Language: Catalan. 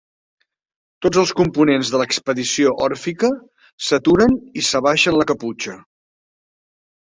Tots els components de l'expedició òrfica s'aturen i s'abaixen la caputxa.